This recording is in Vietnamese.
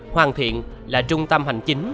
hoàn thiện là trung tâm hành chính